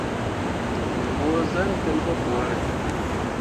Me võo zan tel pu pããre.